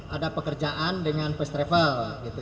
ada pekerjaan dengan first travel